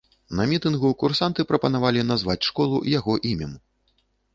На мітынгу курсанты прапанавалі назваць школу яго імем.